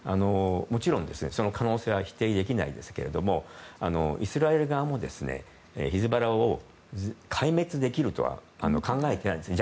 もちろんその可能性は否定できないですけどもイスラエル側もヒズボラを壊滅できるとは考えてないんですね。